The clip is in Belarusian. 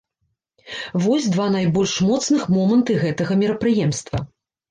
Вось два найбольш моцных моманты гэтага мерапрыемства.